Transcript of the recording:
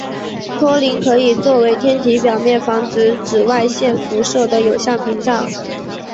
托林可以作为天体表面防止紫外线辐射的有效屏障。